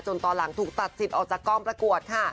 ตอนหลังถูกตัดสิทธิ์ออกจากกองประกวดค่ะ